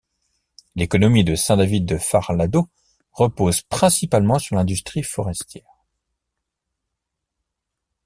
L'économie de Saint-David-de-Falardeau repose principalement sur l'industrie forestière.